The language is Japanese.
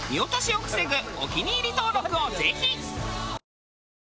お気に入り登録をぜひ！